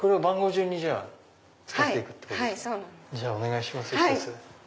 じゃあお願いします。